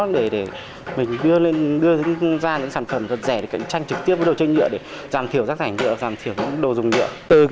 để mình đưa ra những sản phẩm thật rẻ để cạnh tranh trực tiếp với đồ chơi nhựa để giảm thiểu rác rảnh nhựa giảm thiểu những đồ dùng nhựa